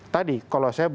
tadi kalau saya